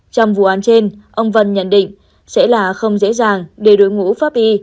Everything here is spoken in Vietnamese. trong vụ án trên ông vân nhận định sẽ là không dễ dàng để đội ngũ pháp y